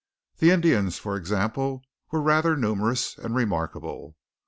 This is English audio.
The Indians, for example, were rather numerous, and remarkable.